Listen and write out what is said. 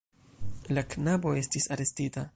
La knabo estis arestita.